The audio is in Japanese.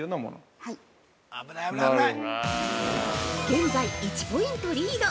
◆現在、１ポイントリード！